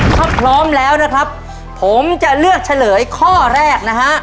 ถ้าพร้อมแล้วนะครับผมจะเลือกเฉลยข้อแรกนะฮะ